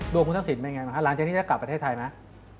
ดวงผู้ทักศิลป์มันยังไงนะคะหลังจากนี้จะกลับประเทศไทยไหม